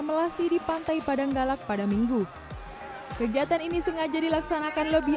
melasti di pantai padanggalak pada minggu kegiatan ini sengaja dilaksanakan lebih